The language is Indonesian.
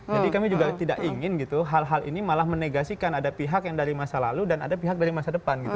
jadi kami juga tidak ingin gitu hal hal ini malah menegasikan ada pihak yang dari masa lalu dan ada pihak dari masa depan gitu